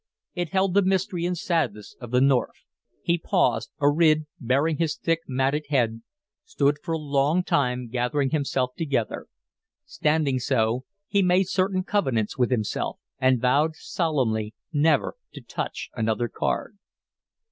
It held the mystery and sadness of the North. He paused, arid, baring his thick, matted head, stood for a long time gathering himself together. Standing so, he made certain covenants with himself, and vowed solemnly never to touch another card.